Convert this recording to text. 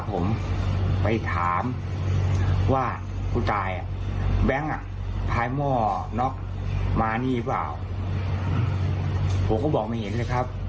ผมก็บอกไม่เห็นเลยครับ